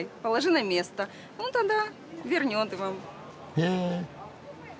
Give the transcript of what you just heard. へえ。